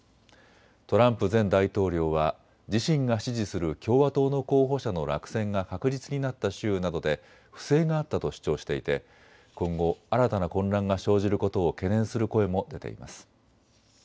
トランプ前大統領は自身が支持する共和党の候補者の落選が確実になった州などで不正があったと主張していて今後、新たな混乱が生じることを懸念する声も出ています。